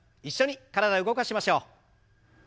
一緒に体動かしましょう。